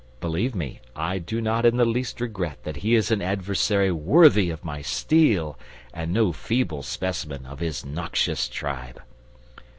Believe me, I do not in the least regret that he is an adversary worthy of my steel, and no feeble specimen of his noxious tribe."